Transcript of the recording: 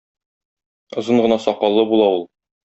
Озын гына сакаллы була ул.